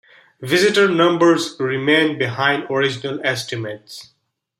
Visitor numbers remain behind original estimates.